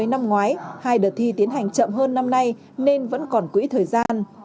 năm thứ ba hai đợt thi tiến hành chậm hơn năm nay nên vẫn còn quỹ thời gian